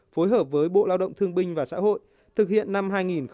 phối hợp với bộ lao động thương binh và xã hội thực hiện năm hai nghìn một mươi chín